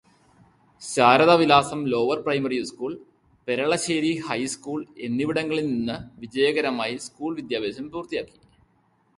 Sharadavilasam lower primary school, Peralassery high school എന്നിവിടങ്ങളിൽ നിന്ന് വിജയകരമായി സ്കൂള് വിദ്യാഭ്യാസം പൂർത്തിയാക്കി.